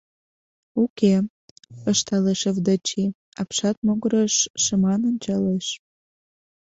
— Уке, — ышталеш Овдачи, апшат могырыш шыман ончалеш.